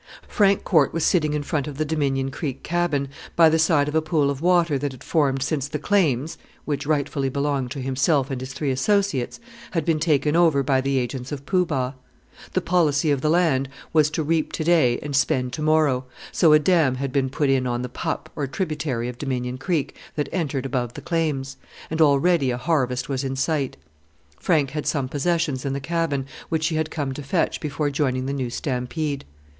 Frank Corte was sitting in front of the Dominion Creek cabin, by the side of a pool of water that had formed since the claims which rightfully belonged to himself and his three associates had been taken over by the agents of Poo Bah. The policy of the land was to reap to day and spend to morrow, so a dam had been put in on the "pup" or tributary of Dominion Creek that entered above the claims; and already a harvest was in sight. Frank had some possessions in the cabin, which he had come to fetch before joining the new stampede.